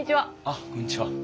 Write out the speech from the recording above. あっこんにちは。